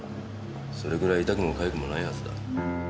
それぐらい痛くも痒くもないはずだ。